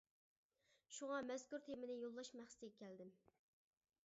شۇڭا مەزكۇر تېمىنى يوللاش مەقسىتىگە كەلدىم.